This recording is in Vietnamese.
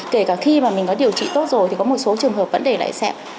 kể cả khi mà mình có điều trị tốt rồi thì có một số trường hợp vẫn để lại sẹo